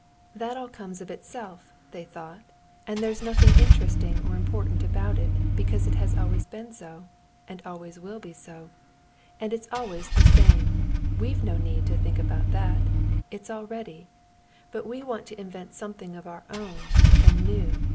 "That all comes of itself," they thought, "and there's nothing interesting or important about it because it has always been so, and always will be so. And it's all always the same. We've no need to think about that, it's all ready. But we want to invent something of our own, and new.